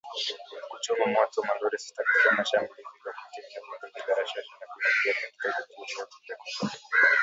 Na kuchoma moto malori sita katika shambulizi hilo kwa kutumia bunduki za rashasha na kurejea katika vituo vyao bila kuumia.